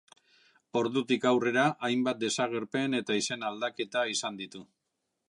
Ordutik aurrera hainbat desagerpen eta izen aldaketa izan ditu.